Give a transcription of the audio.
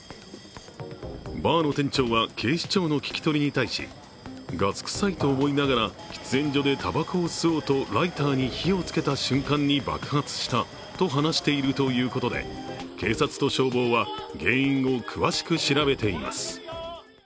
バーの店長は警視庁の聞き取りに対しガス臭いと思いながら喫煙所でたばこを吸おうとライターに火をつけた瞬間に爆発したと話しているということで警察と消防は原因を詳しく調べています。